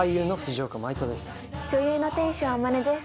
女優の天翔天音です。